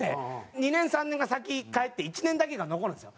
２年３年が先帰って１年だけが残るんですよ。